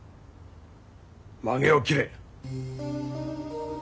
まげを切れ。